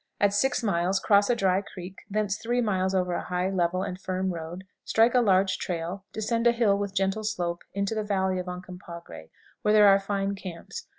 At 6 miles cross a dry creek; thence 3 miles over a high, level, and firm road; strike a large trail; descend a hill with gentle slope into the Valley of Oncompagre, where there are fine camps.